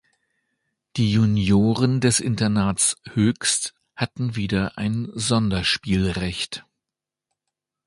Die Junioren des Internats Hoechst hatten wieder ein Sonderspielrecht.